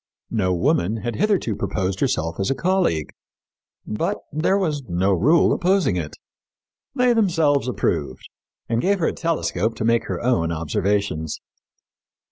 No woman had hitherto proposed herself as a colleague, but there was no rule opposing it. They themselves approved, and gave her a telescope to make her own observations.